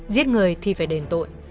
giết người thì phải đền tội